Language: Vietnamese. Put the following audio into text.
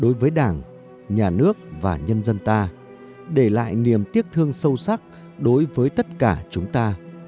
đối với đảng nhà nước và nhân dân ta để lại niềm tiếc thương sâu sắc đối với tất cả chúng ta